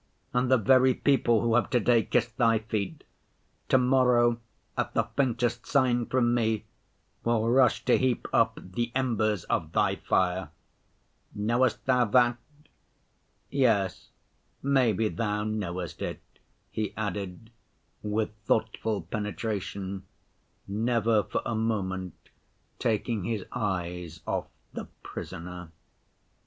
And the very people who have to‐day kissed Thy feet, to‐morrow at the faintest sign from me will rush to heap up the embers of Thy fire. Knowest Thou that? Yes, maybe Thou knowest it,' he added with thoughtful penetration, never for a moment taking his eyes off the Prisoner."